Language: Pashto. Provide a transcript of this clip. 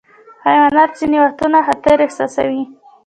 حیوانات ځینې وختونه خطر احساسوي.